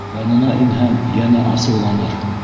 Янына инһәм, йәнә асыуланыр.